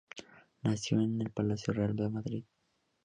Nació en el Palacio Real de Madrid.